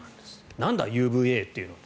なんだ、ＵＶＡというのは。